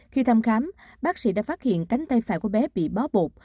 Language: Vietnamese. khi thăm khám bác sĩ đã phát hiện cánh tay phải của bé bị bó bột